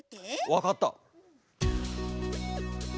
わかった。